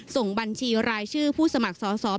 ส่งบัญชีรายชื่อผู้สมัครสอสอ